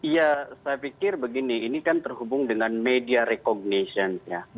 ya saya pikir begini ini kan terhubung dengan media recognition ya